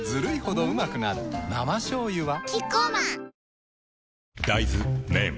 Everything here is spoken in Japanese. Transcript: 生しょうゆはキッコーマン大豆麺ん？